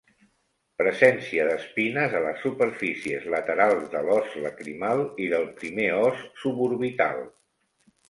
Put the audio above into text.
Presència d'espines a les superfícies laterals de l'os lacrimal i del primer os suborbital.